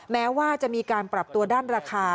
แม้ว่าจะมีการปรับตัวด้านราคา